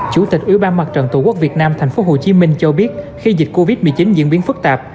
chủ tịch ủy ban mặt trận tổ quốc việt nam tp hcm cho biết khi dịch covid một mươi chín diễn biến phức tạp